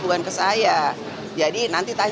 jumklusnya juga ada yang terkait